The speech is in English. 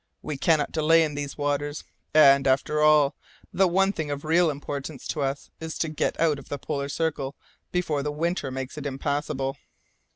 We cannot delay in these waters, and, after all, the one thing of real importance to us is to get out of the polar circle before the winter makes it impassable."